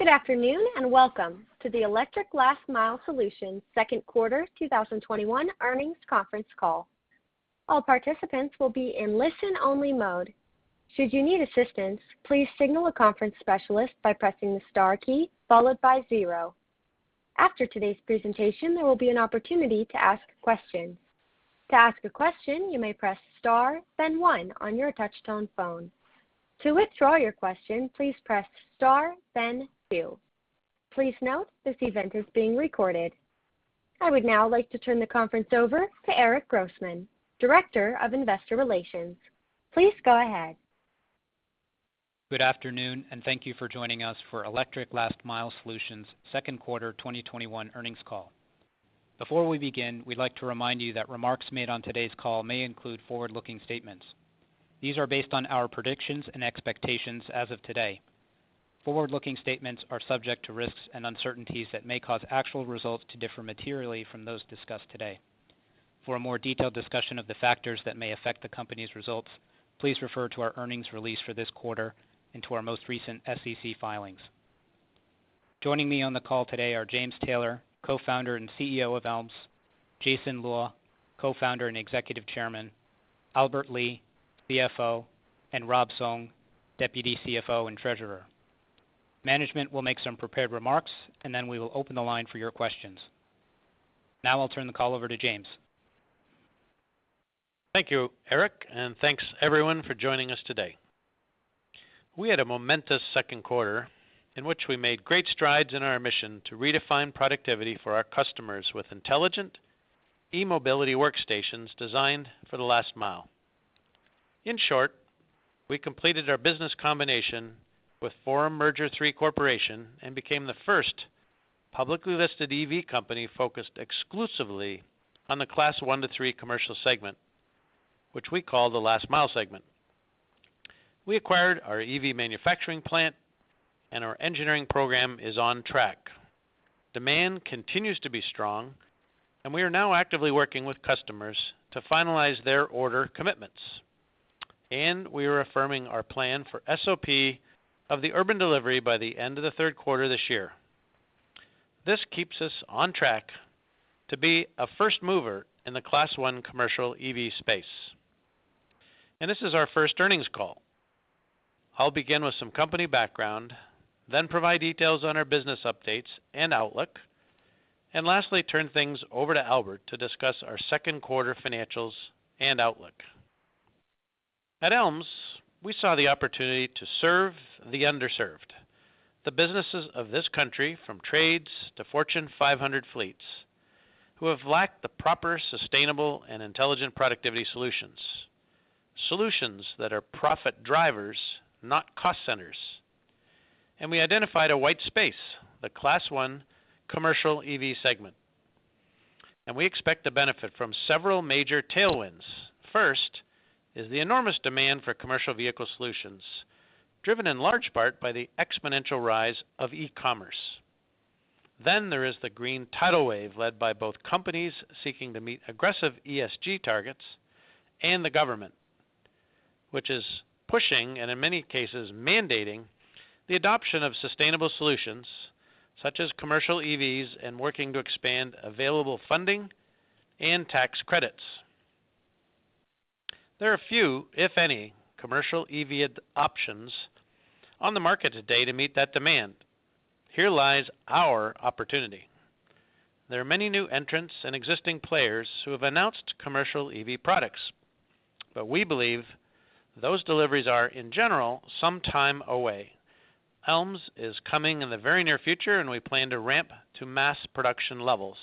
Good afternoon, and welcome to the Electric Last Mile Solutions Second Quarter 2021 Earnings Conference Call. All participants will be in listen only mode. Should you need assistace, please signal a conference specialist by pressing the star key followed by zero. After today's presentation, there will be an opportunity to ask a question. To ask a question you may press star then one on your touch tone phone. To withdraw your question, please press star then two. Please note this event is being recorded. I would now like to turn the conference over to Erik Grossman, Director of Investor Relations. Please go ahead. Good afternoon, and thank you for joining us for Electric Last Mile Solutions second quarter 2021 earnings call. Before we begin, we'd like to remind you that remarks made on today's call may include forward-looking statements. These are based on our predictions and expectations as of today. Forward-looking statements are subject to risks and uncertainties that may cause actual results to differ materially from those discussed today. For a more detailed discussion of the factors that may affect the company's results, please refer to our earnings release for this quarter and to our most recent SEC filings. Joining me on the call today are James Taylor, Co-founder and CEO of ELMS, Jason Luo, Co-founder and Executive Chairman, Albert Li, CFO, and Rob Song, Deputy CFO and Treasurer. Management will make some prepared remarks, and then we will open the line for your questions. Now I'll turn the call over to James. Thank you, Erik, and thanks everyone for joining us today. We had a momentous second quarter in which we made great strides in our mission to redefine productivity for our customers with intelligent e-mobility workstations designed for the last mile. In short, we completed our business combination with Forum Merger III Corporation and became the first publicly listed EV company focused exclusively on the Class 1 to 3 commercial segment, which we call the last mile segment. We acquired our EV manufacturing plant. Our engineering program is on track. Demand continues to be strong. We are now actively working with customers to finalize their order commitments. We are affirming our plan for SOP of the Urban Delivery by the end of the third quarter this year. This keeps us on track to be a first mover in the Class 1 commercial EV space. This is our first earnings call. I'll begin with some company background, then provide details on our business updates and outlook, and lastly, turn things over to Albert to discuss our second quarter financials and outlook. At ELMS, we saw the opportunity to serve the underserved, the businesses of this country, from trades to Fortune 500 fleets, who have lacked the proper, sustainable, and intelligent productivity solutions that are profit drivers, not cost centers. We identified a white space, the Class 1 commercial EV segment. We expect to benefit from several major tailwinds. First is the enormous demand for commercial vehicle solutions, driven in large part by the exponential rise of e-commerce. There is the green tidal wave led by both companies seeking to meet aggressive ESG targets and the government, which is pushing, and in many cases, mandating the adoption of sustainable solutions such as commercial EVs and working to expand available funding and tax credits. There are few, if any, commercial EV options on the market today to meet that demand. Here lies our opportunity. There are many new entrants and existing players who have announced commercial EV products, but we believe those deliveries are, in general, some time away. ELMS is coming in the very near future, and we plan to ramp to mass production levels.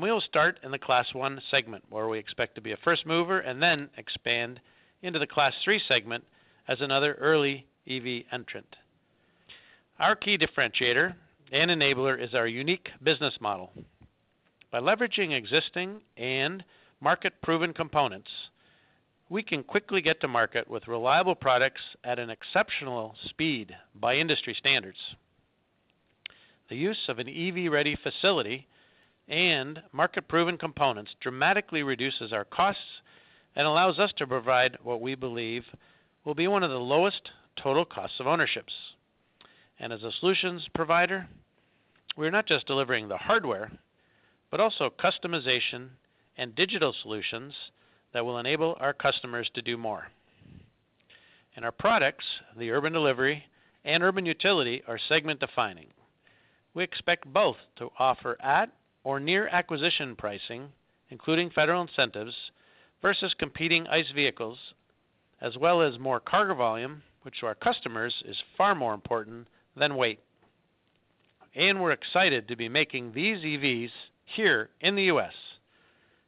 We will start in the Class 1 segment, where we expect to be a first mover, and then expand into the Class 3 segment as another early EV entrant. Our key differentiator and enabler is our unique business model. By leveraging existing and market-proven components, we can quickly get to market with reliable products at an exceptional speed by industry standards. The use of an EV-ready facility and market-proven components dramatically reduces our costs and allows us to provide what we believe will be one of the lowest total costs of ownership. As a solutions provider, we are not just delivering the hardware, but also customization and digital solutions that will enable our customers to do more. Our products, the Urban Delivery and Urban Utility, are segment-defining. We expect both to offer at or near acquisition pricing, including federal incentives versus competing ICE vehicles, as well as more cargo volume, which to our customers is far more important than weight. We're excited to be making these EVs here in the U.S.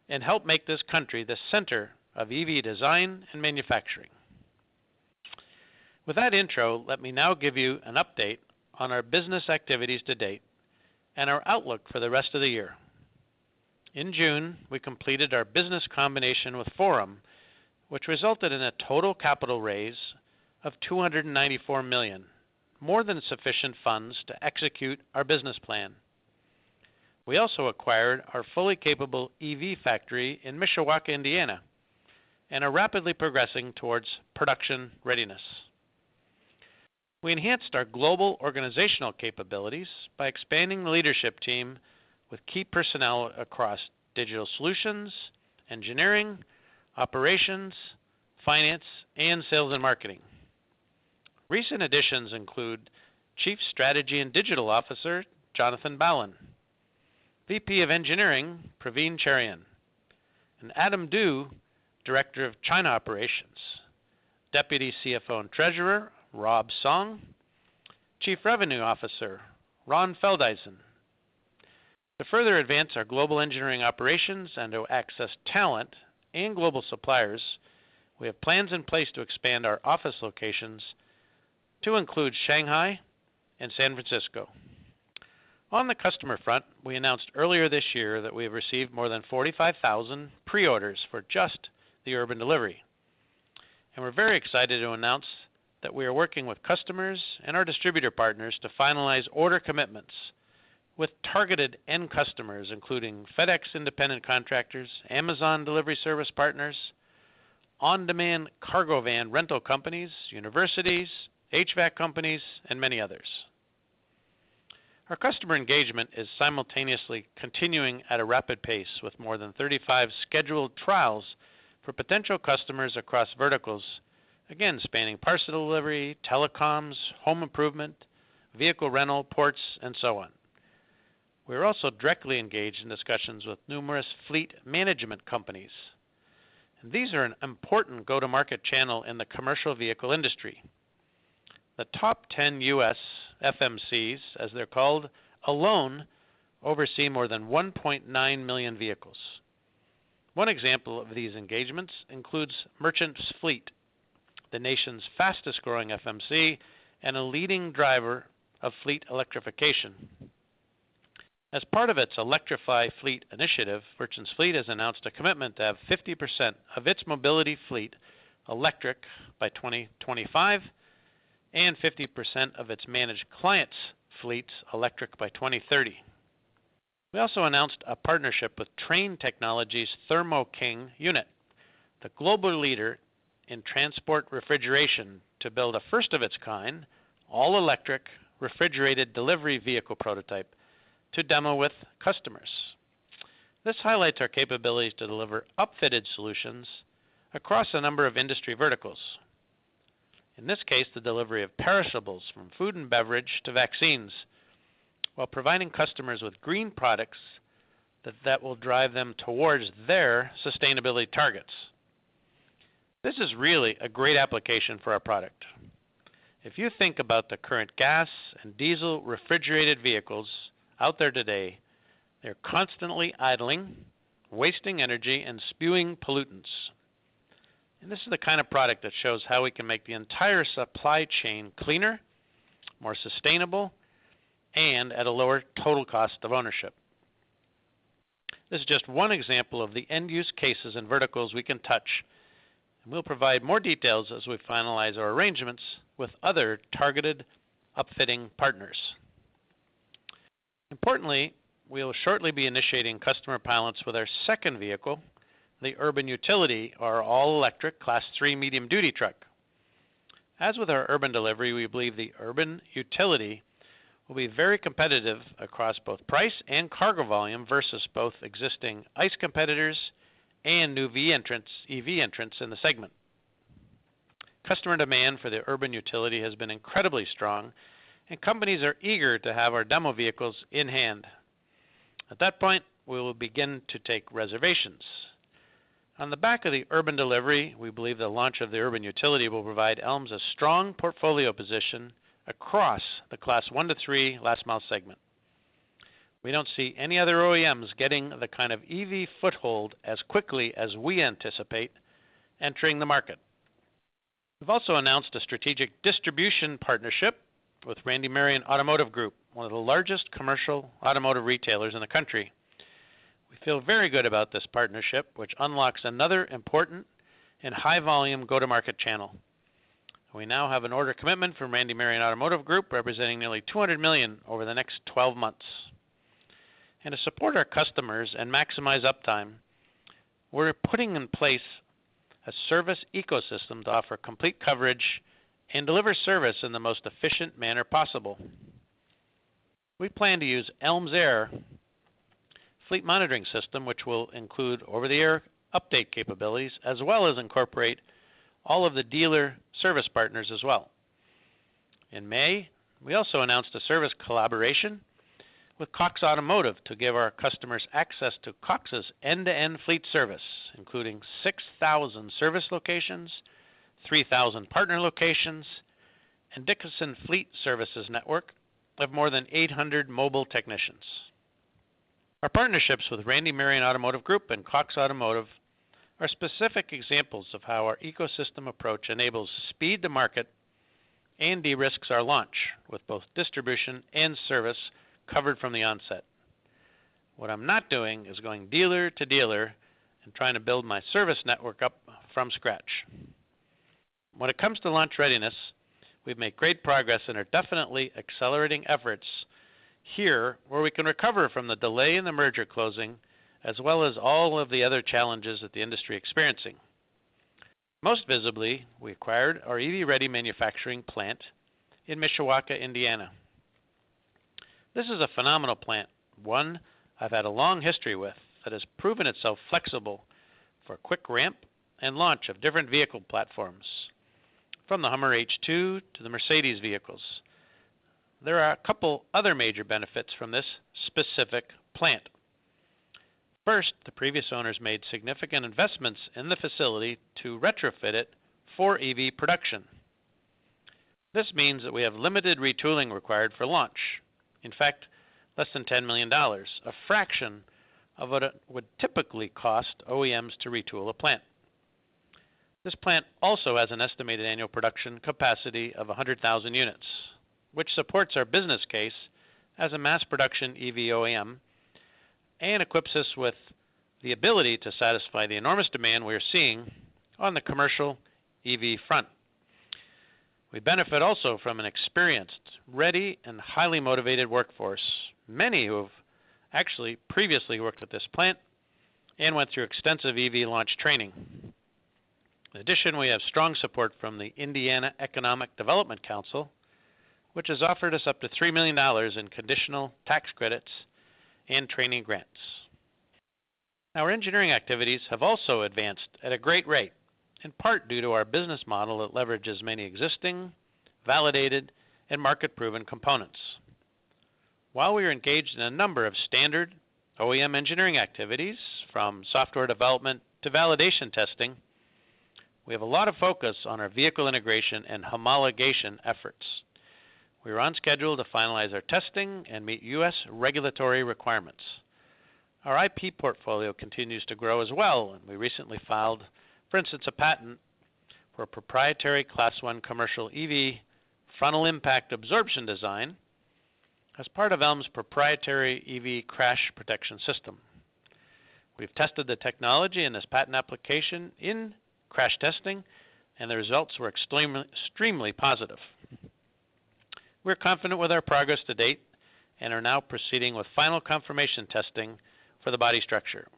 and help make this country the center of EV design and manufacturing. With that intro, let me now give you an update on our business activities to date and our outlook for the rest of the year. In June, we completed our business combination with Forum, which resulted in a total capital raise of $294 million, more than sufficient funds to execute our business plan. We also acquired our fully capable EV factory in Mishawaka, Indiana, and are rapidly progressing towards production readiness. We enhanced our global organizational capabilities by expanding the leadership team with key personnel across digital solutions, engineering, operations, finance, and sales and marketing. Recent additions include Chief Strategy and Digital Officer, Jonathan Ballon, VP of Engineering, Praveen Cherian, and Adam Du, Director of China Operations, Deputy CFO and Treasurer, Rob Song, Chief Revenue Officer, Ron Feldeisen. To further advance our global engineering operations and to access talent and global suppliers, we have plans in place to expand our office locations to include Shanghai and San Francisco. On the customer front, we announced earlier this year that we have received more than 45,000 pre-orders for just the Urban Delivery, and we're very excited to announce that we are working with customers and our distributor partners to finalize order commitments with targeted end customers, including FedEx independent contractors, Amazon delivery service partners, on-demand cargo van rental companies, universities, HVAC companies, and many others. Our customer engagement is simultaneously continuing at a rapid pace with more than 35 scheduled trials for potential customers across verticals, again, spanning parcel delivery, telecoms, home improvement, vehicle rental, ports, and so on. We are also directly engaged in discussions with numerous fleet management companies. These are an important go-to-market channel in the commercial vehicle industry. The top 10 U.S. FMCs, as they're called, alone oversee more than 1.9 million vehicles. One example of these engagements includes Merchants Fleet, the nation's fastest-growing FMC and a leading driver of fleet electrification. As part of its Electrify Fleet initiative, Merchants Fleet has announced a commitment to have 50% of its mobility fleet electric by 2025 and 50% of its managed client's fleets electric by 2030. We also announced a partnership with Trane Technologies Thermo King unit, the global leader in transport refrigeration, to build a first-of-its-kind, all-electric, refrigerated delivery vehicle prototype to demo with customers. This highlights our capabilities to deliver upfitted solutions across a number of industry verticals. In this case, the delivery of perishables from food and beverage to vaccines while providing customers with green products that will drive them towards their sustainability targets. This is really a great application for our product. If you think about the current gas and diesel-refrigerated vehicles out there today, they're constantly idling, wasting energy, and spewing pollutants. This is the kind of product that shows how we can make the entire supply chain cleaner, more sustainable, and at a lower total cost of ownership. This is just one example of the end-use cases and verticals we can touch, and we'll provide more details as we finalize our arrangements with other targeted upfitting partners. Importantly, we will shortly be initiating customer pilots with our second vehicle, the Urban Utility, our all-electric Class 3 medium-duty truck. As with our Urban Delivery, we believe the Urban Utility will be very competitive across both price and cargo volume versus both existing ICE competitors and new EV entrants in the segment. Customer demand for the Urban Utility has been incredibly strong, and companies are eager to have our demo vehicles in hand. At that point, we will begin to take reservations. On the back of the Urban Delivery, we believe the launch of the Urban Utility will provide ELMS a strong portfolio position across the Class 1 to 3 last-mile segment. We don't see any other OEMs getting the kind of EV foothold as quickly as we anticipate entering the market. We've also announced a strategic distribution partnership with Randy Marion Automotive Group, one of the largest commercial automotive retailers in the country. We feel very good about this partnership, which unlocks another important and high-volume go-to-market channel. We now have an order commitment from Randy Marion Automotive Group representing nearly $200 million over the next 12 months. To support our customers and maximize uptime, we're putting in place a service ecosystem to offer complete coverage and deliver service in the most efficient manner possible. We plan to use ELMS AIR fleet monitoring system, which will include over-the-air update capabilities, as well as incorporate all of the dealer service partners as well. In May, we also announced a service collaboration with Cox Automotive to give our customers access to Cox's end-to-end fleet service, including 6,000 service locations, 3,000 partner locations, and Dickinson Fleet Services network of more than 800 mobile technicians. Our partnerships with Randy Marion Automotive Group and Cox Automotive are specific examples of how our ecosystem approach enables speed to market and de-risks our launch, with both distribution and service covered from the onset. What I'm not doing is going dealer to dealer and trying to build my service network up from scratch. When it comes to launch readiness, we've made great progress and are definitely accelerating efforts here where we can recover from the delay in the merger closing as well as all of the other challenges that the industry experiencing. Most visibly, we acquired our EV-ready manufacturing plant in Mishawaka, Indiana. This is a phenomenal plant, one I've had a long history with that has proven itself flexible for quick ramp and launch of different vehicle platforms, from the Hummer H2 to the Mercedes vehicles. There are a couple other major benefits from this specific plant. First, the previous owners made significant investments in the facility to retrofit it for EV production. This means that we have limited retooling required for launch. In fact, less than $10 million, a fraction of what it would typically cost OEMs to retool a plant. This plant also has an estimated annual production capacity of 100,000 units, which supports our business case as a mass production EV OEM and equips us with the ability to satisfy the enormous demand we are seeing on the commercial EV front. We benefit also from an experienced, ready, and highly motivated workforce, many who have actually previously worked at this plant and went through extensive EV launch training. In addition, we have strong support from the Indiana Economic Development Corporation, which has offered us up to $3 million in conditional tax credits and training grants. Our engineering activities have also advanced at a great rate, in part due to our business model that leverages many existing, validated, and market-proven components. While we are engaged in a number of standard OEM engineering activities, from software development to validation testing, we have a lot of focus on our vehicle integration and homologation efforts. We are on schedule to finalize our testing and meet U.S. regulatory requirements. Our IP portfolio continues to grow as well, and we recently filed, for instance, a patent for a proprietary Class 1 commercial EV frontal impact absorption design as part of ELMS proprietary EV crash protection system. We've tested the technology in this patent application in crash testing, and the results were extremely positive. We're confident with our progress to date and are now proceeding with final confirmation testing for the body structure.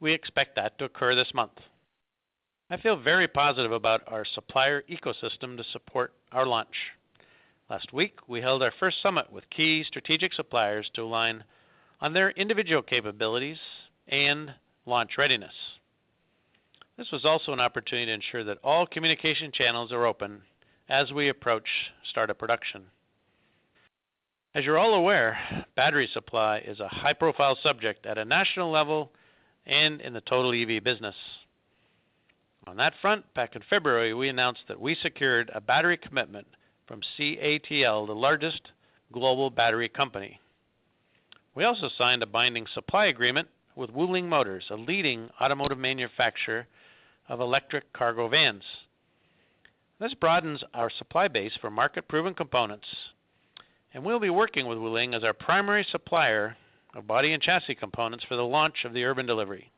We expect that to occur this month. I feel very positive about our supplier ecosystem to support our launch. Last week, we held our first summit with key strategic suppliers to align on their individual capabilities and launch readiness. This was also an opportunity to ensure that all communication channels are open as we approach startup production. As you're all aware, battery supply is a high-profile subject at a national level and in the total EV business. On that front, back in February, we announced that we secured a battery commitment from CATL, the largest global battery company. We also signed a binding supply agreement with Wuling Motors, a leading automotive manufacturer of electric cargo vans. This broadens our supply base for market-proven components, and we'll be working with Wuling as our primary supplier of body and chassis components for the launch of the Urban Delivery.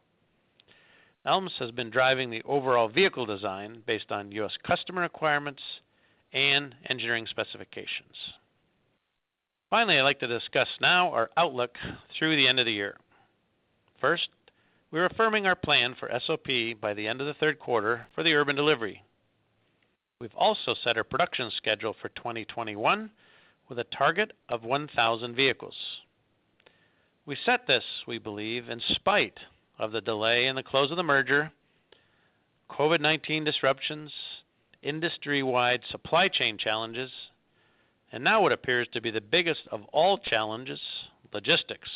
ELMS has been driving the overall vehicle design based on U.S. customer requirements and engineering specifications. Finally, I'd like to discuss now our outlook through the end of the year. First, we're affirming our plan for SOP by the end of the third quarter for the Urban Delivery. We've also set a production schedule for 2021 with a target of 1,000 vehicles. We set this, we believe, in spite of the delay in the close of the merger, COVID-19 disruptions, industry-wide supply chain challenges, and now what appears to be the biggest of all challenges, logistics.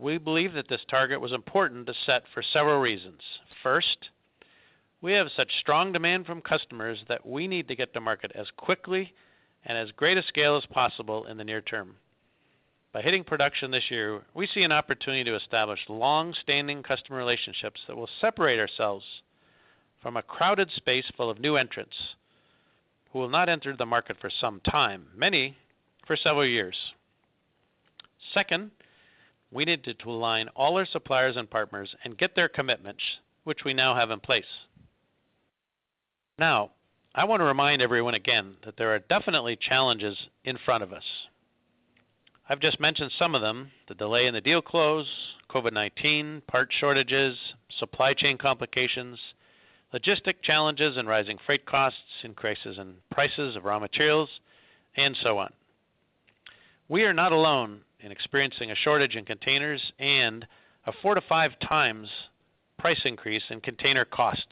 We believe that this target was important to set for several reasons. First, we have such strong demand from customers that we need to get to market as quickly and as great a scale as possible in the near term. By hitting production this year, we see an opportunity to establish long-standing customer relationships that will separate ourselves from a crowded space full of new entrants who will not enter the market for some time, many for several years. Second, we needed to align all our suppliers and partners and get their commitments, which we now have in place. Now, I want to remind everyone again that there are definitely challenges in front of us. I've just mentioned some of them, the delay in the deal close, COVID-19, part shortages, supply chain complications, logistics challenges and rising freight costs, increases in prices of raw materials, and so on. We are not alone in experiencing a shortage in containers and a four to five times price increase in container costs.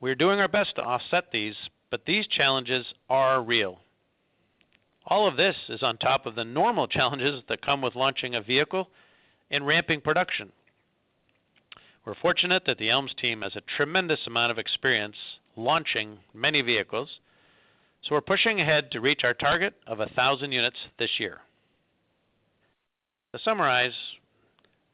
We are doing our best to offset these, but these challenges are real. All of this is on top of the normal challenges that come with launching a vehicle and ramping production. We're fortunate that the ELMS team has a tremendous amount of experience launching many vehicles, so we're pushing ahead to reach our target of 1,000 units this year. To summarize,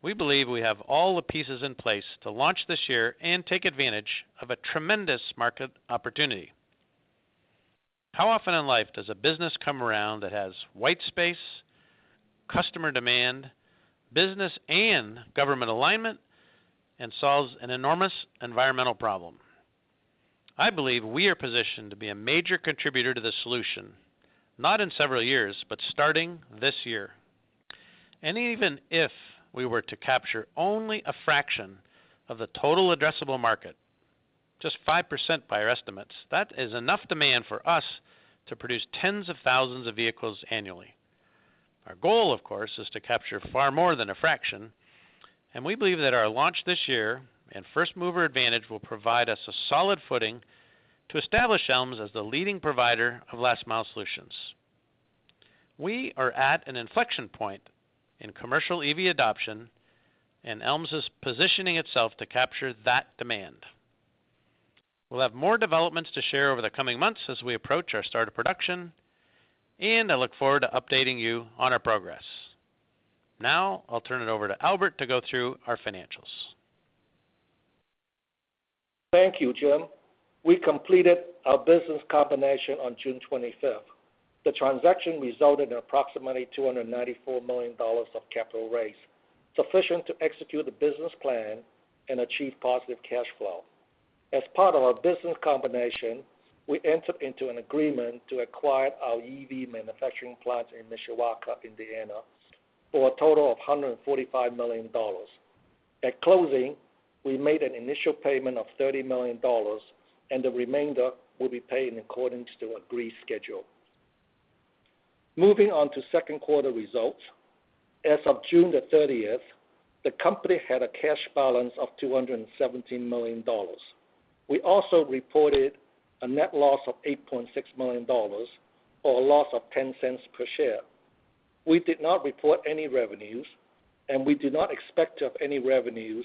we believe we have all the pieces in place to launch this year and take advantage of a tremendous market opportunity. How often in life does a business come around that has white space, customer demand, business and government alignment, and solves an enormous environmental problem? I believe we are positioned to be a major contributor to the solution, not in several years, but starting this year. Even if we were to capture only a fraction of the total addressable market, just 5% by our estimates, that is enough demand for us to produce tens of thousands of vehicles annually. Our goal, of course, is to capture far more than a fraction, and we believe that our launch this year and first-mover advantage will provide us a solid footing to establish ELMS as the leading provider of last-mile solutions. We are at an inflection point in commercial EV adoption, and ELMS is positioning itself to capture that demand. We'll have more developments to share over the coming months as we approach our start of production, and I look forward to updating you on our progress. Now, I'll turn it over to Albert to go through our financials. Thank you, Jim. We completed our business combination on June 25th. The transaction resulted in approximately $294 million of capital raised, sufficient to execute the business plan and achieve positive cash flow. As part of our business combination, we entered into an agreement to acquire our EV manufacturing plant in Mishawaka, Indiana, for a total of $145 million. At closing, we made an initial payment of $30 million, and the remainder will be paid in accordance to agreed schedule. Moving on to second quarter results, as of June 30th, the company had a cash balance of $217 million. We also reported a net loss of $8.6 million, or a loss of $0.10 per share. We did not report any revenues, and we do not expect of any revenues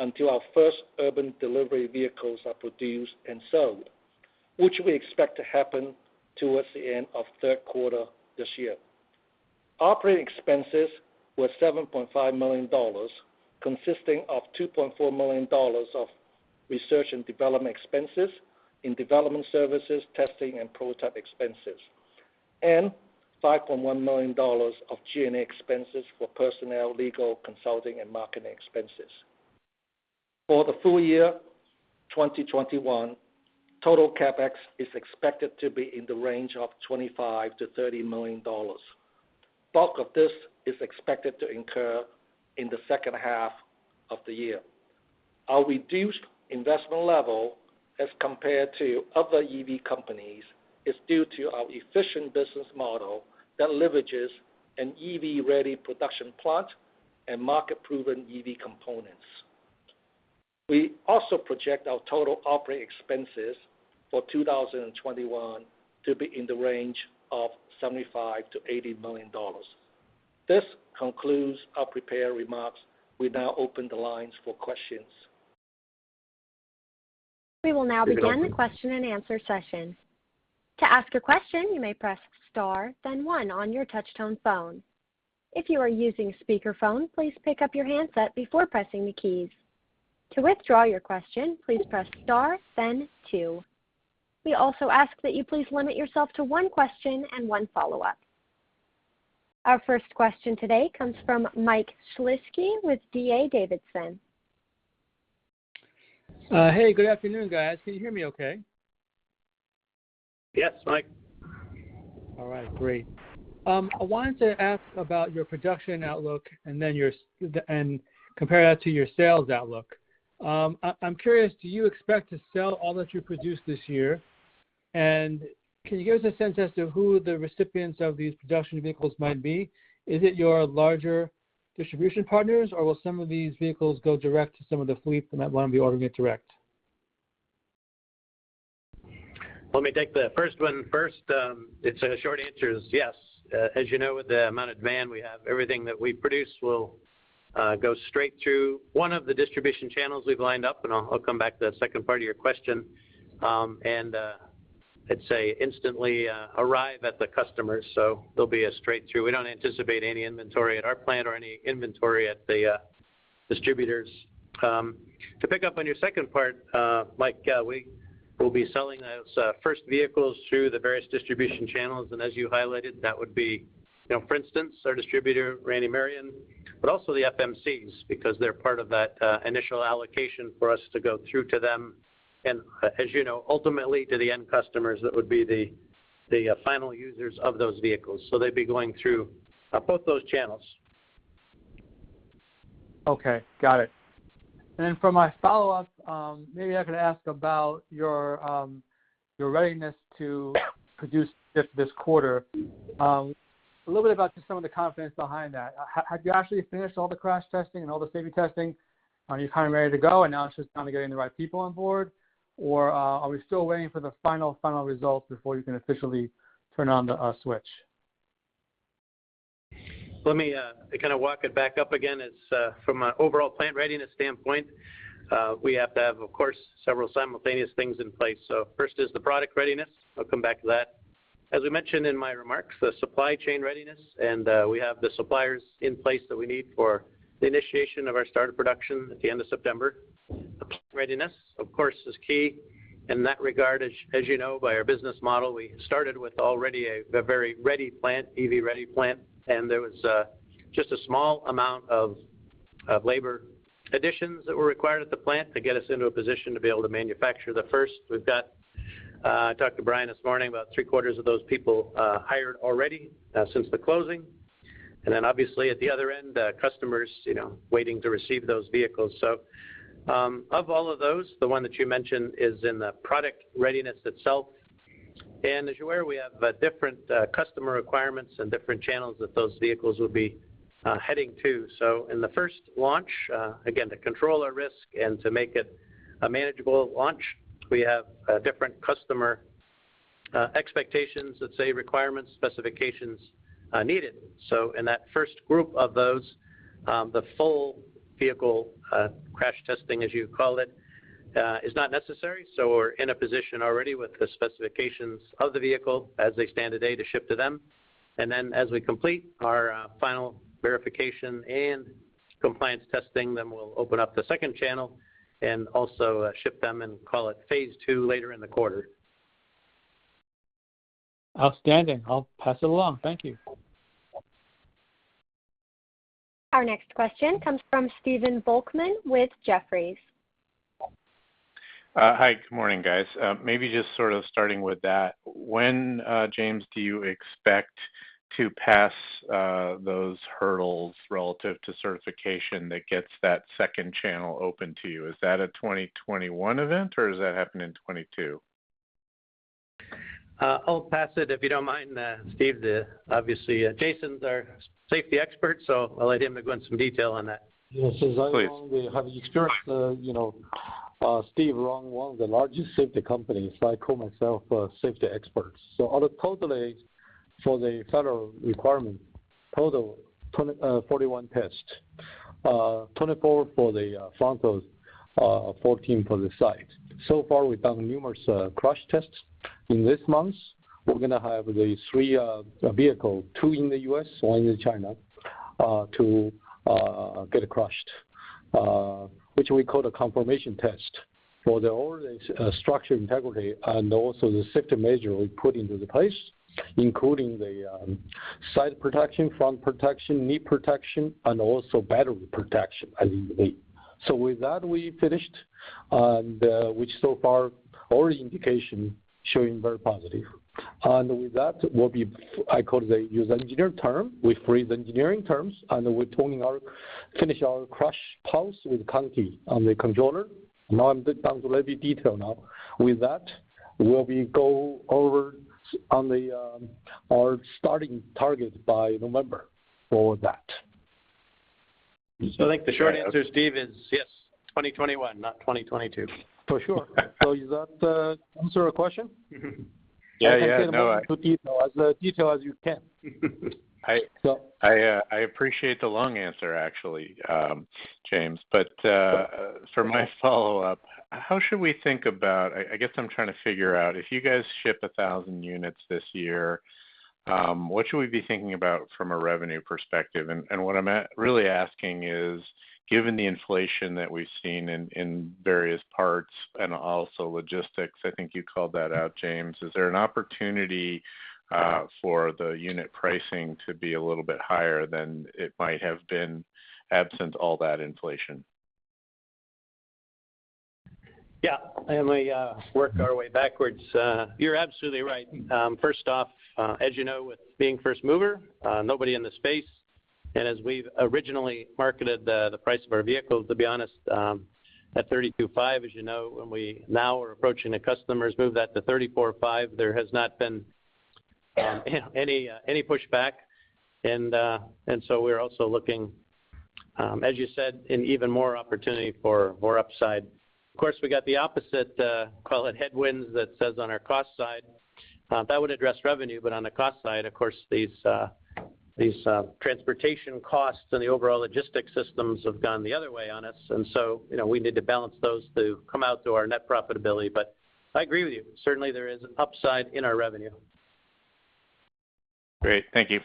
until our first Urban Delivery vehicles are produced and sold, which we expect to happen towards the end of third quarter this year. Operating expenses were $7.5 million, consisting of $2.4 million of Research and Development expenses in development services, testing, and prototype expenses, and $5.1 million of G&A expenses for personnel, legal, consulting, and marketing expenses. For the full year 2021, total CapEx is expected to be in the range of $25 million-$30 million. Bulk of this is expected to incur in the second half of the year. Our reduced investment level as compared to other EV companies is due to our efficient business model that leverages an EV-ready production plant and market-proven EV components. We also project our total operating expenses for 2021 to be in the range of $75 million-$80 million. This concludes our prepared remarks, we now open the lines for questions. We will now begin the question and answer session. We also ask that you please limit yourself to one question and one follow-up. Our first question today comes from Michael Shlisky with D.A. Davidson. Hey, good afternoon, guys. Can you hear me okay? Yes, Mike. All right, great. I wanted to ask about your production outlook and compare that to your sales outlook. I'm curious, do you expect to sell all that you produce this year? Can you give us a sense as to who the recipients of these production vehicles might be? Is it your larger distribution partners, or will some of these vehicles go direct to some of the fleets that might want to be ordering it direct? Let me take the first one first. It's a short answer, is yes. You know, with the amount of demand we have, everything that we produce will go straight to one of the distribution channels we've lined up, and I'll come back to the second part of your question, and I'd say instantly arrive at the customers. There'll be a straight through. We don't anticipate any inventory at our plant or any inventory at the distributors. To pick up on your second part, Michael, we will be selling those first vehicles through the various distribution channels, as you highlighted, that would be, for instance, our distributor, Randy Marion, also the FMCs, because they're part of that initial allocation for us to go through to them. As you know, ultimately to the end customers, that would be the final users of those vehicles. They'd be going through both those channels. Okay, got it. For my follow-up, maybe I could ask about your readiness to produce this quarter. A little bit about just some of the confidence behind that. Have you actually finished all the crash testing and all the safety testing? Are you kind of ready to go, and now it's just kind of getting the right people on board? Are we still waiting for the final results before you can officially turn on the switch? Let me kind of walk it back up again. It's from an overall plant readiness standpoint, we have to have, of course, several simultaneous things in place. First is the product readiness, I'll come back to that. As we mentioned in my remarks, the supply chain readiness, and we have the suppliers in place that we need for the initiation of our start of production at the end of September. Plant readiness, of course, is key in that regard. As you know, by our business model, we started with already a very EV-ready plant. There was just a small amount of labor additions that were required at the plant to get us into a position to be able to manufacture the first. We've got, I talked to Bryan this morning, about 3/4 of those people hired already since the closing. Then obviously at the other end, customers waiting to receive those vehicles. Of all of those, the one that you mentioned is in the product readiness itself. As you're aware, we have different customer requirements and different channels that those vehicles will be heading to. In the first launch, again, to control our risk and to make it a manageable launch, we have different customer expectations, let's say, requirements, specifications needed. In that first group of those, the full vehicle crash testing, as you call it, is not necessary. We're in a position already with the specifications of the vehicle as they stand today to ship to them. Then as we complete our final verification and compliance testing, then we'll open up the second channel and also ship them and call it phase II later in the quarter. Outstanding, I'll pass it along, thank you. Our next question comes from Stephen Volkmann with Jefferies. Hi, good morning, guys. Maybe just sort of starting with that, when, James, do you expect to pass those hurdles relative to certification that gets that second channel open to you? Is that a 2021 event, or does that happen in 2022? I'll pass it, if you don't mind, Steve. Obviously, Jason's our safety expert, so I'll let him go into some detail on that. Yes. Please. Since I long will have experience, Steve run one of the largest safety companies, I call myself a safety expert. All the total tests for the federal requirement, total 41 test, 24 for the front wheels, 14 for the side. So far, we've done numerous crash tests. In this month, we're going to have the three vehicle, two in the U.S., one in China, to get crushed, which we call a confirmation test for the overall structure integrity and also the safety measure we put into the place, including the side protection, front protection, knee protection, and also battery protection as you wait. With that, we finished, which so far, early indication showing very positive. With that will be, I call the use engineer term. We freeze engineering terms, we're finish our crash pulse with counting on the controller. Now I'm down to a little bit detail now. With that, will we go over on our starting target by November for that? I think the short answer, Steven, is yes, 2021, not 2022. For sure, is that answer your question? Yeah. I can get more into detail, as detail as you can. I appreciate the long answer actually, James. For my follow-up, how should we think about I guess I'm trying to figure out, if you guys ship 1,000 units this year, what should we be thinking about from a revenue perspective? What I'm really asking is, given the inflation that we've seen in various parts and also logistics, I think you called that out, James, is there an opportunity for the unit pricing to be a little bit higher than it might have been absent all that inflation? Yeah, we work our way backwards. You're absolutely right, first off, as you know, with being first mover, nobody in the space, and as we've originally marketed the price of our vehicles, to be honest, at $32,500, as you know, when we now are approaching the customers, move that to $34,500, there has not been any pushback. We're also looking, as you said, in even more opportunity for more upside. Of course, we got the opposite, call it headwinds that says on our cost side. That would address revenue, but on the cost side, of course, these transportation costs and the overall logistics systems have gone the other way on us, and so we need to balance those to come out to our net profitability, I agree with you. Certainly, there is an upside in our revenue. Great, thank you.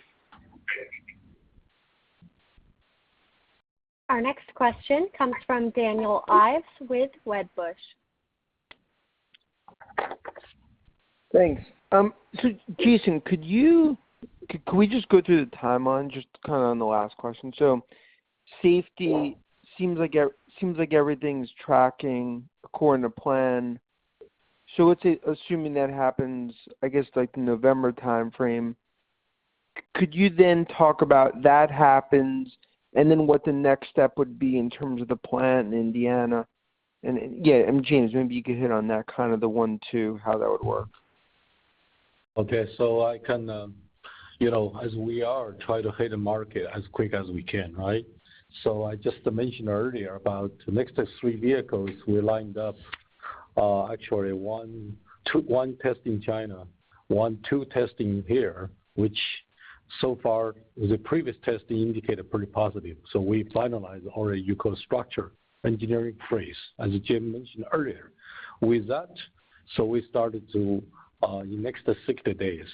Our next question comes from Daniel Ives with Wedbush. Thanks, Jason, could we just go through the timeline, just on the last question? Safety seems like everything's tracking according to plan. Let's say, assuming that happens, I guess, like November timeframe, could you then talk about that happens, and then what the next step would be in terms of the plan in Indiana? James, maybe you could hit on that, kind of the one, two, how that would work. Okay, I can, as we are, try to hit the market as quick as we can, right? I just mentioned earlier about next test three vehicles we lined up. Actually one test in China, two testing here. So far, the previous testing indicated pretty positive. We finalized our structure engineering phase, as James mentioned earlier. With that, in the next 60 days,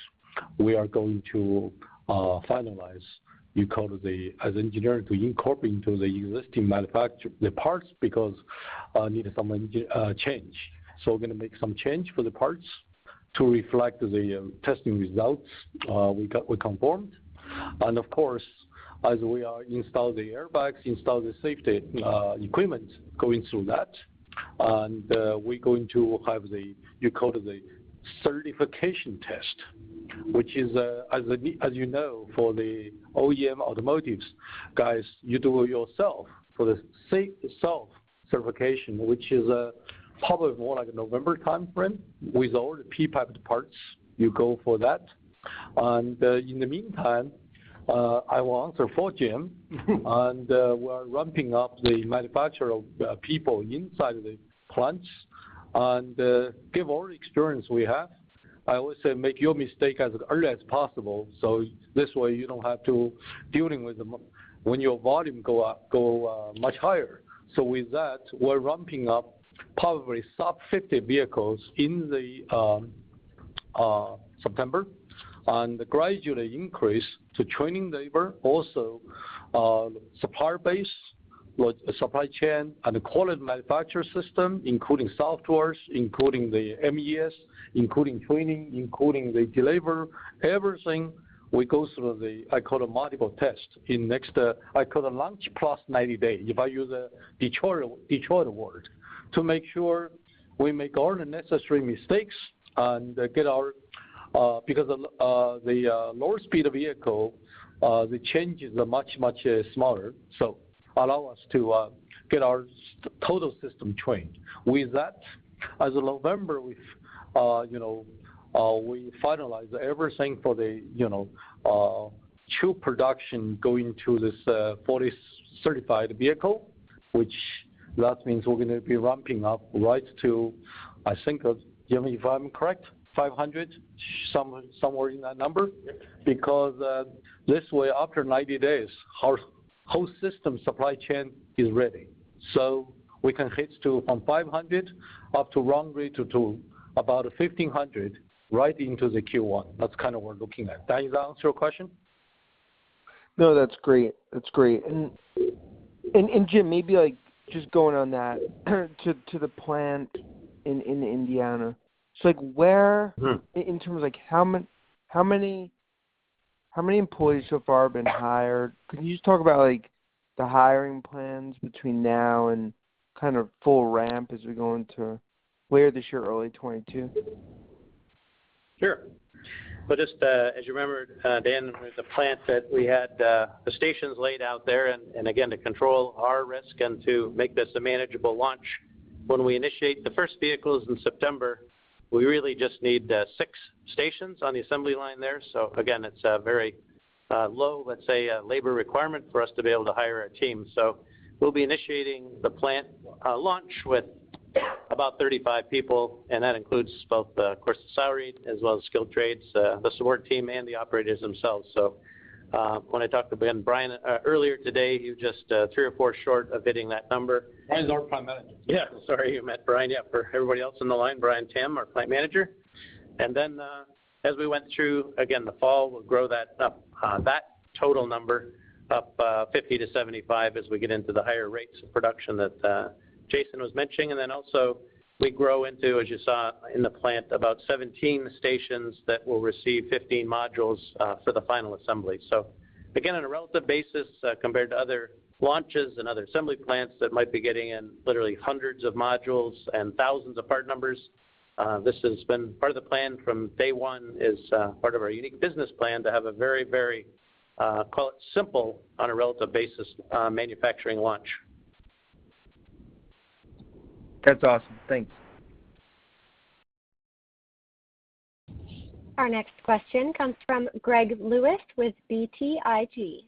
we are going to finalize as engineering to incorporate into the existing manufacture the parts because needed some change. We're going to make some change for the parts to reflect the testing results we conformed. Of course, as we install the airbags, install the safety equipment, going through that. We're going to have the certification test, which is, as you know, for the OEM automotives guys, you do it yourself for the safe self-certification, which is probably more like a November timeframe. With all the PPAP parts, you go for that. In the meantime, I will answer for James. We are ramping up the manufacture of people inside the plant and give all experience we have. I always say make your mistake as early as possible, so this way you don't have to dealing with them when your volume go much higher. With that, we're ramping up probably sub-50 vehicles in the September, and gradually increase to training labor, also supply base with supply chain and the quality manufacture system, including software's, including the MES, including training, including the delivery. Everything will go through the, I call it multiple test in next, I call it launch plus 90 day, if I use each other word, to make sure we make all the necessary mistakes. Because the lower speed of vehicle, the changes are much, much smaller, so allow us to get our total system trained. With that, as of November, we finalize everything for the true production going to this 40 certified vehicle, which that means we're going to be ramping up right to, I think, James, if I'm correct, 500, somewhere in that number. Yep. This way, after 90 days, our whole system supply chain is ready. We can hit to from 500 up to ramp rate to about 1,500 right into the Q1. That's kind of what we're looking at, does that answer your question? No, that's great. Jim, maybe just going on that to the plant in Indiana. In terms of how many employees so far have been hired, could you just talk about the hiring plans between now and kind of full ramp as we go into later this year, early 2022? Sure, well, just as you remember, Dan, with the plant that we had the stations laid out there, again, to control our risk and to make this a manageable launch. When we initiate the first vehicles in September, we really just need six stations on the assembly line there. Again, it's a very low, let's say, labor requirement for us to be able to hire a team. We'll be initiating the plant launch with about 35 people, and that includes both, of course, the salaried as well as skilled trades, the support team, and the operators themselves. When I talked to Bryan earlier today, he was just three or four short of hitting that number. Our Plant Manager. Yeah, sorry, you meant Bryan Tam. Yeah, for everybody else on the line, Bryan Tam, our Plant Manager. As we went through, again, the fall, we'll grow that total number up 50-75 as we get into the higher rates of production that Jason Luo was mentioning. Also we grow into, as you saw in the plant, about 17 stations that will receive 15 modules for the final assembly. Again, on a relative basis compared to other launches and other assembly plants that might be getting in literally hundreds of modules and thousands of part numbers, this has been part of the plan from day one. It's part of our unique business plan to have a very, call it simple on a relative basis, manufacturing launch. That's awesome, thanks. Our next question comes from Greg Lewis with BTIG.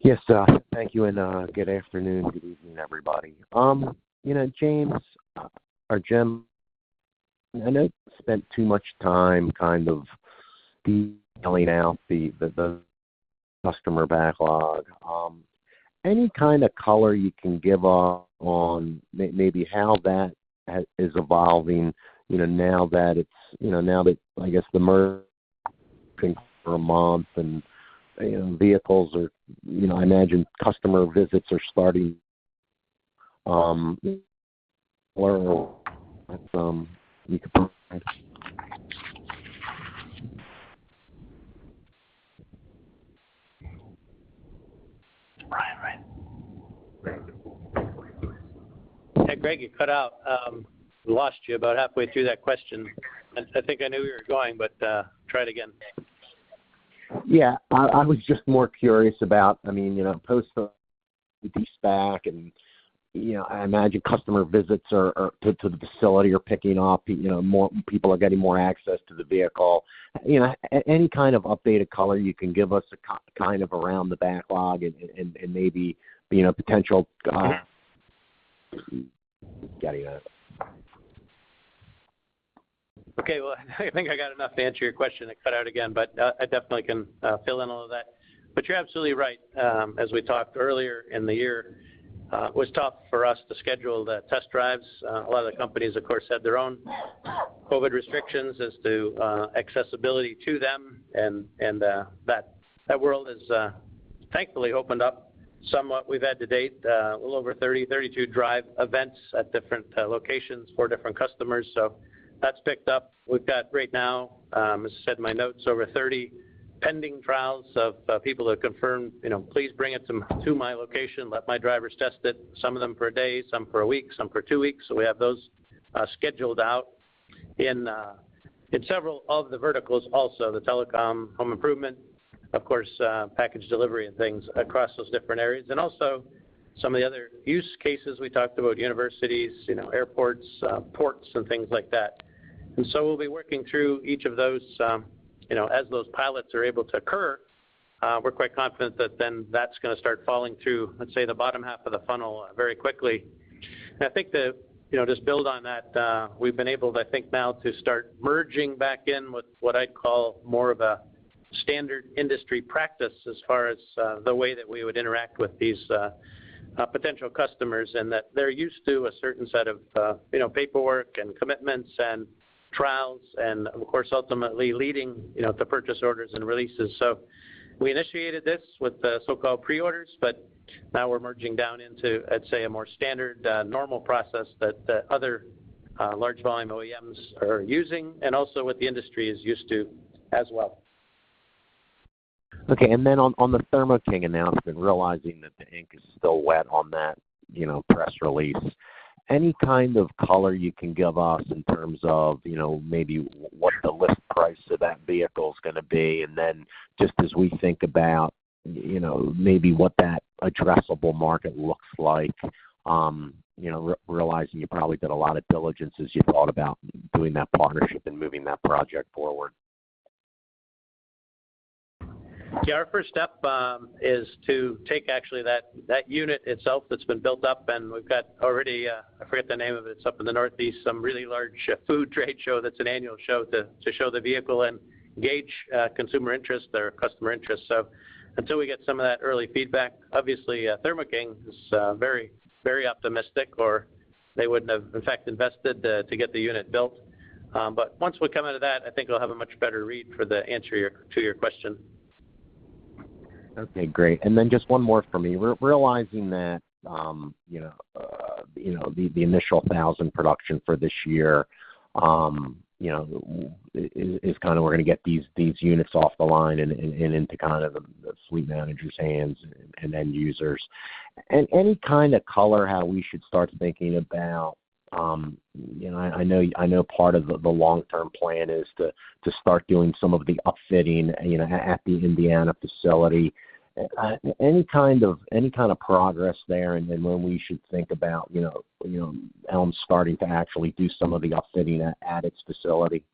Yes, thank you. Good afternoon, good evening, everybody. James or Jim, I know you spent too much time kind of detailing out the customer backlog. Any kind of color you can give on maybe how that is evolving now that, I guess the Forum and vehicles are, I imagine customer visits are starting? Hey, Greg, you cut out. We lost you about halfway through that question. I think I knew where you were going, but try it again. Yeah, I was just more curious about post the back and I imagine customer visits to the facility are picking up. People are getting more access to the vehicle. Any kind of updated color you can give us kind of around the backlog and maybe potential- Okay, well, I think I got enough to answer your question. It cut out again. I definitely can fill in all of that, you're absolutely right. As we talked earlier in the year, it was tough for us to schedule the test drives. A lot of the companies, of course, had their own COVID restrictions as to accessibility to them, and that world has thankfully opened up somewhat. We've had to date, a little over 30, 32 drive events at different locations for different customers, so that's picked up. We've got, right now, as I said in my notes, over 30 pending trials of people that have confirmed, "Please bring it to my location, let my driver's test it." Some of them for a day, some for a week, some for two weeks. We have those scheduled out in several of the verticals also. The telecom, home improvement, of course, package delivery and things across those different areas. Also, some of the other use cases we talked about, universities, airports, ports, and things like that. We'll be working through each of those as those pilots are able to occur. We're quite confident that that's going to start falling through, let's say, the bottom half of the funnel very quickly. I think to just build on that, we've been able, I think now, to start merging back in with what I'd call more of a standard industry practice as far as the way that we would interact with these potential customers. That they're used to a certain set of paperwork and commitments and trials, and of course, ultimately leading to purchase orders and releases. We initiated this with the so-called pre-orders, but now we're merging down into, I'd say, a more standard, normal process that other large-volume OEMs are using, and also what the industry is used to as well. Okay, on the Thermo King announcement, realizing that the ink is still wet on that press release, any kind of color you can give us in terms of maybe what the list price of that vehicle's going to be? Just as we think about maybe what that addressable market looks like, realizing you probably did a lot of diligence as you thought about doing that partnership and moving that project forward. Our first step is to take actually that unit itself that's been built up, and we've got already, I forget the name of it. It's up in the Northeast, some really large food trade show that's an annual show to show the vehicle and gauge consumer interest or customer interest. Until we get some of that early feedback, obviously Thermo King is very optimistic, or they wouldn't have in fact invested to get the unit built. Once we come out of that, I think we'll have a much better read for the answer to your question. Okay, great. Just one more from me. Realizing that the initial 1,000 production for this year is we're going to get these units off the line and into kind of the fleet managers' hands and end users. Any kind of color how we should start thinking about, I know part of the long-term plan is to start doing some of the upfitting at the Indiana facility. Any kind of progress there, when we should think about ELMS starting to actually do some of the upfitting at its facility?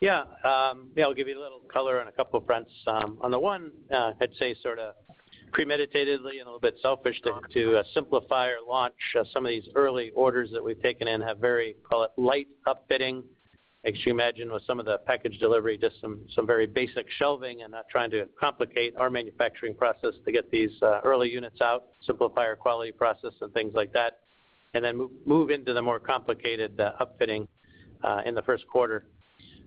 Yeah, I'll give you a little color on a couple of fronts. On the one, I'd say sort of premeditatedly and a little bit selfish to simplify or launch some of these early orders that we've taken in, have very, call it light upfitting. As you imagine with some of the package delivery, just some very basic shelving and not trying to complicate our manufacturing process to get these early units out, simplify our quality process and things like that. Then move into the more complicated upfitting in the first quarter.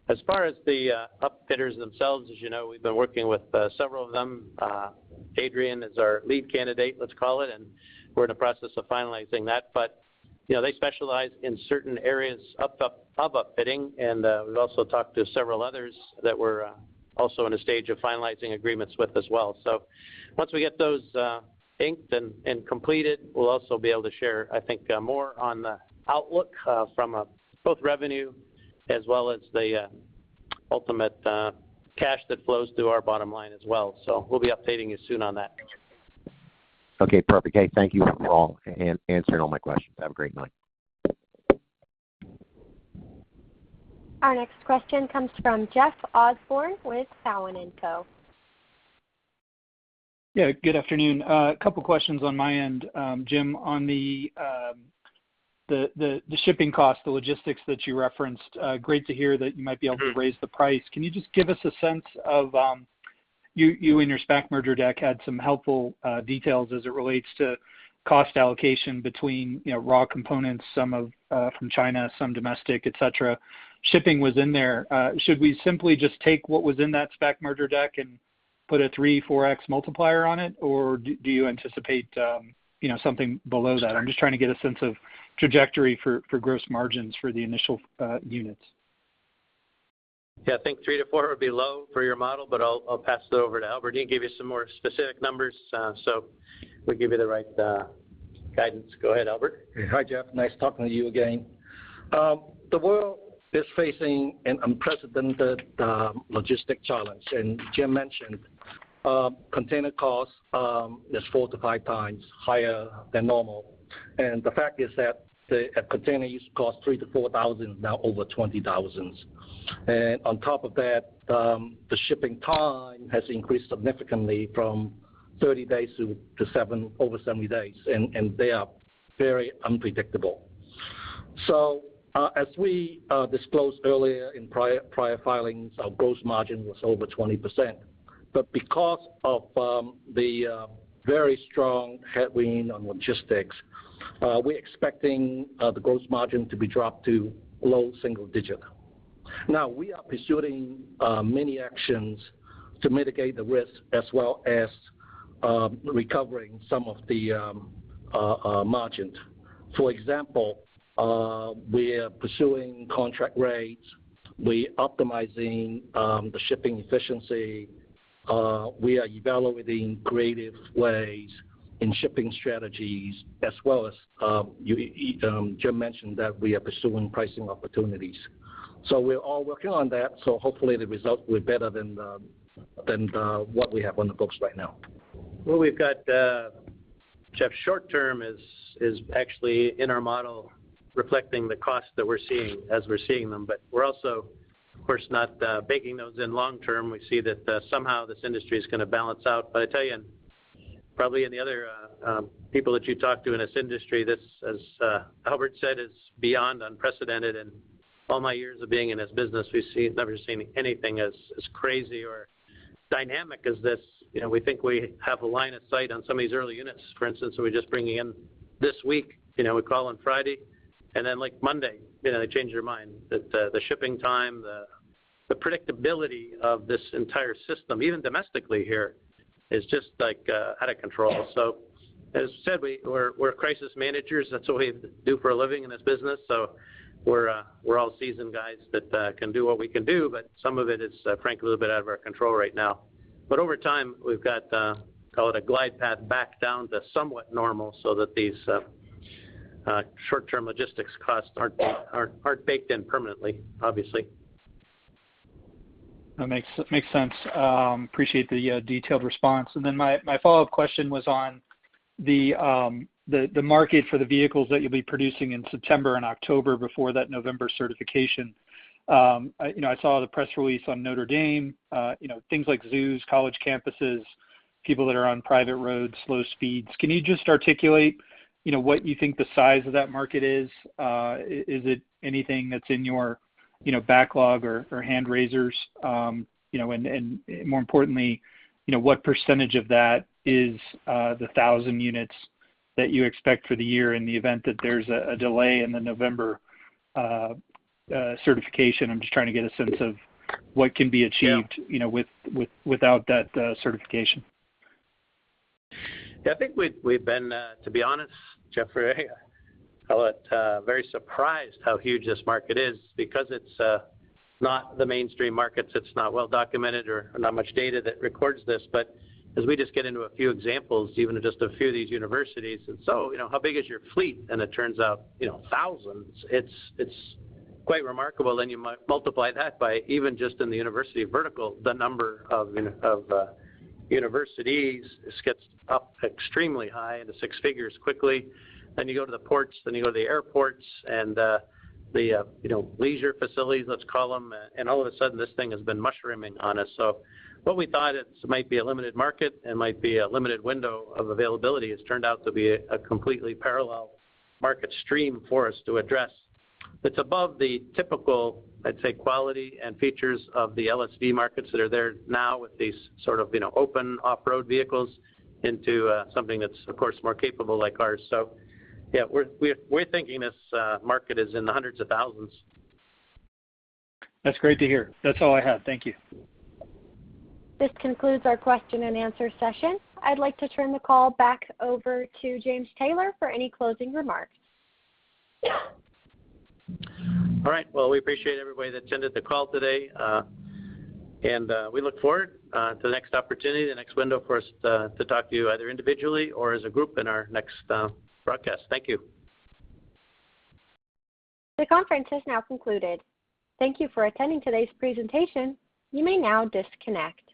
As far as the upfitters themselves, as you know, we've been working with several of them. Adrian is our lead candidate, let's call it, and we're in the process of finalizing that. They specialize in certain areas of upfitting, and we've also talked to several others that we're also in a stage of finalizing agreements with as well. Once we get those inked and completed, we'll also be able to share, I think, more on the outlook from both revenue as well as the ultimate cash that flows through our bottom line as well. We'll be updating you soon on that. Okay, perfect. Hey, thank you for answering all my questions, have a great night. Our next question comes from Jeff Osborne with Cowen and Co. Yeah, good afternoon. A couple of questions on my end. Jim, on the shipping cost, the logistics that you referenced, great to hear that you might be able to raise the price. Can you just give us a sense of, you and your SPAC merger deck had some helpful details as it relates to cost allocation between raw components, some from China, some domestic, et cetera. Shipping was in there. Should we simply just take what was in that SPAC merger deck and put a 3x, 4x multiplier on it, or do you anticipate something below that? I'm just trying to get a sense of trajectory for gross margins for the initial units. Yeah, I think 3x-4x would be low for your model, but I'll pass it over to Albert. He can give you some more specific numbers, so we give you the right guidance, go ahead, Albert. Hi, Jeff, nice talking to you again. The world is facing an unprecedented logistic challenge. Jim mentioned container cost is four to five times higher than normal. The fact is that a container used to cost $3,000-$4,000, now over $20,000. On top of that, the shipping time has increased significantly from 30 days to over 70 days, and they are very unpredictable. As we disclosed earlier in prior filings, our gross margin was over 20%, but because of the very strong headwind on logistics, we're expecting the gross margin to be dropped to low single digit. We are pursuing many actions to mitigate the risk as well as recovering some of the margins. For example, we are pursuing contract rates. We optimizing the shipping efficiency. We are evaluating creative ways in shipping strategies as well as Jim mentioned that we are pursuing pricing opportunities. We're all working on that, hopefully the result will be better than what we have on the books right now. Well, we've got, Jeff, short term is actually in our model reflecting the cost that we're seeing as we're seeing them. We're also, of course, not baking those in long term. We see that somehow this industry is going to balance out. I tell you, and probably any other people that you talk to in this industry, this, as Albert said, is beyond unprecedented. In all my years of being in this business, we've never seen anything as crazy or dynamic as this. We think we have a line of sight on some of these early units, for instance. We're just bringing in this week, we call on Friday and then like Monday, they change their mind. The shipping time, the predictability of this entire system, even domestically here, is just out of control. As I said, we're crisis managers. That's what we do for a living in this business. We're all seasoned guys that can do what we can do, but some of it is frankly, a little bit out of our control right now. Over time, we've got call it a glide path back down to somewhat normal so that these short-term logistics costs aren't baked in permanently, obviously. That makes sense, appreciate the detailed response. My follow-up question was on the market for the vehicles that you'll be producing in September and October before that November certification. I saw the press release on Notre Dame, things like zoos, college campuses, people that are on private roads, low speeds. Can you just articulate what you think the size of that market is? Is it anything that's in your backlog or hand raisers? More importantly, what percentage of that is the 1,000 units that you expect for the year in the event that there's a delay in the November certification? I'm just trying to get a sense of what can be achieved- Yeah.... without that certification. Yeah, I think we've been, to be honest, Jeff, call it very surprised how huge this market is because it's not the mainstream markets. It's not well-documented or not much data that records this. As we just get into a few examples, even just a few of these universities, and so, how big is your fleet? It turns out, thousands. It's quite remarkable. You multiply that by even just in the university vertical, the number of universities just gets up extremely high into six figures quickly. You go to the ports, you go to the airports and the leisure facilities, let's call them, all of a sudden, this thing has been mushrooming on us. What we thought might be a limited market and might be a limited window of availability has turned out to be a completely parallel market stream for us to address that's above the typical, I'd say, quality and features of the LSV markets that are there now with these sort of open off-road vehicles into something that's, of course, more capable like ours. Yeah, we're thinking this market is in the hundreds of thousands. That's great to hear, that's all I have, thank you. This concludes our question-and-answer session. I'd like to turn the call back over to James Taylor for any closing remarks. Well, we appreciate everybody that's attended the call today. We look forward to the next opportunity, the next window for us to talk to you either individually or as a group in our next broadcast, thank you. The conference has now concluded. Thank you for attending today's presentation, you may now disconnect.